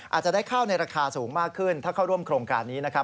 อาจจะได้ข้าวในราคาสูงมากขึ้นถ้าเข้าร่วมโครงการนี้นะครับ